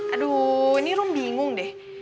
aduh ini rum bingung deh